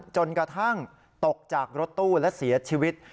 จนกระทั่งตกจากรถตู้และเสียชีวิต